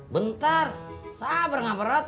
bentar sabar nggak perot